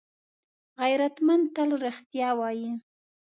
غیرتمند تل رښتیا وايي